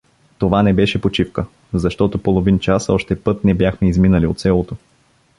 Това не беше почивка, защото половин час още път не бяхме изминали от селото.